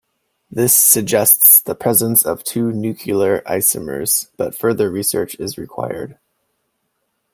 This suggests the presence of two nuclear isomers but further research is required.